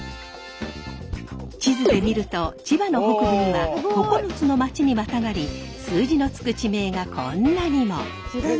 地図で見ると千葉の北部には９つの町にまたがり数字の付く地名がこんなにも。